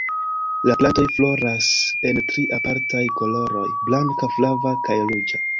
La plantoj floras en tri apartaj koloroj: blanka, flava kaj ruĝa.